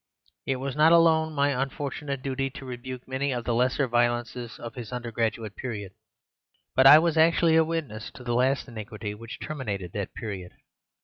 It was not alone my unfortunate duty to rebuke many of the lesser violences of his undergraduate period, but I was actually a witness to the last iniquity which terminated that period.